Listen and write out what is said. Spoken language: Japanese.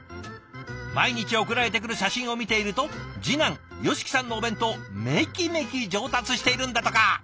毎日送られてくる写真を見ていると次男ヨシキさんのお弁当メキメキ上達しているんだとか。